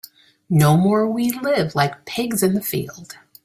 No more we live like pigs in the field.